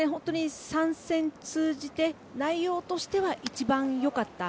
３戦通じて、内容としては一番良かった。